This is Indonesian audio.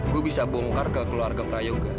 gue bisa bongkar ke keluarga prayogo